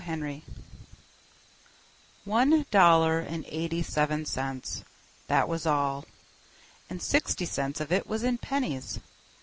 Henry One dollar and eighty seven cents. That was all. And sixty cents of it was in pennies.